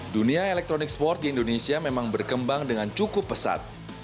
dunia elektronik sport di indonesia memang berkembang dengan cukup pesat